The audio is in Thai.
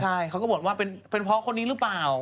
ใช่เขาก็บอกว่าเป็นเพราะคนนี้หรือเปล่า